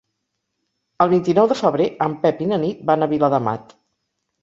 El vint-i-nou de febrer en Pep i na Nit van a Viladamat.